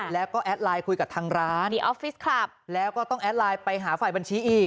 แล้วก็แอดไลน์คุยกับทางร้านแล้วก็ต้องแอดไลน์ไปหาฝ่ายบัญชีอีก